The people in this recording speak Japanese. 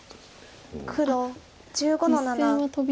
黒１５の七ツケ。